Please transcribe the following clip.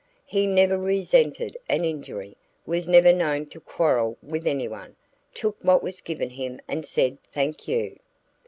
He never resented an injury, was never known to quarrel with anyone, took what was given him and said thank you.